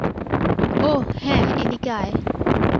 ওহ, হ্যাঁ, এদিকে আয়।